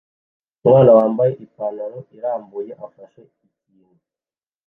Umwana wambaye ipantaro irambuye afashe ikintu